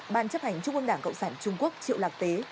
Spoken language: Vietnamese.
ban chấp hành trung ương đảng cộng sản trung quốc triệu lạc tế